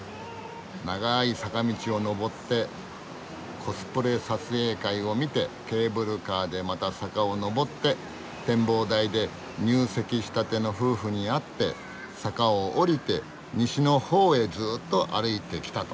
長い坂道を上ってコスプレ撮影会を見てケーブルカーでまた坂を上って展望台で入籍したての夫婦に会って坂を下りて西のほうへずっと歩いてきたと。